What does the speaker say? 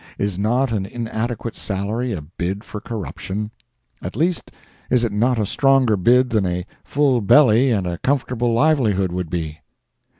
Is not an inadequate salary a bid for corruption? At least is it not a stronger bid than a full belly and a comfortable livelihood would be?